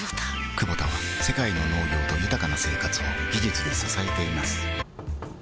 クボタは世界の農業と豊かな生活を技術で支えています起きて。